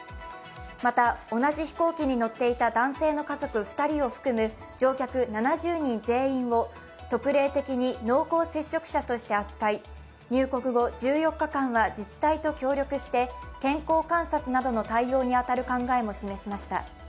また、同じ飛行機に乗っていた男性の家族２人を含む乗客７０人全員を特例的に濃厚接触者として扱い入国後１４日間は自治体と協力して健康観察などの対応に当たる考えも示しました。